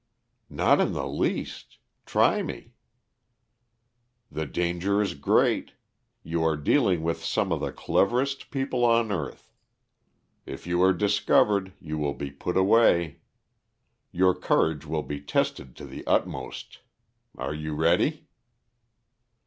"Not in the least. Try me." "The danger is great. You are dealing with some of the cleverest people on earth. If you are discovered you will be put away. Your courage will be tested to the utmost. Are you ready?"